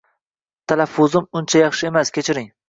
Talaffuzim uncha yaxshi emas, kechiring.